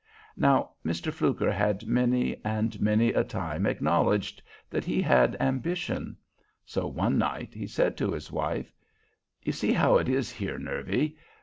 Now Mr. Fluker had many and many a time acknowledged that he had ambition; so one night he said to his wife: "You see how it is here, Nervy.